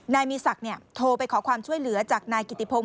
นายมีศักดิ์โทรไปขอความช่วยเหลือจากนายกิติพงศ